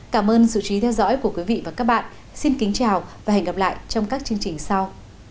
cảm ơn sự chú ý theo dõi của quý vị và các bạn xin kính chào và hẹn gặp lại trong các chương trình sau